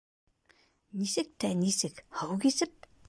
— Нисек тә нисек, һыу кисеп.